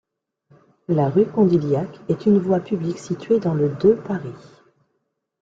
La rue Condillac est une voie publique située dans le de Paris.